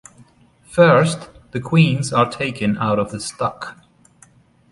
First, the Queens are taken out of the stock.